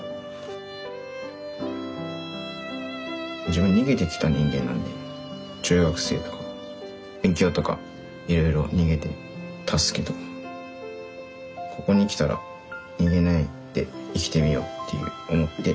自分逃げてきた人間なんで中学生とか勉強とかいろいろ逃げてたすけどここに来たら逃げないで生きてみようって思って。